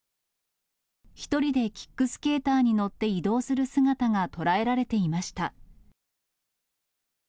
１人でキックスケーターに乗って移動する姿が捉えられていました。